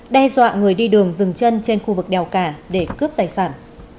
đe dọa người đi đường rừng chân trên khu vực đèo cả để cướp tài sản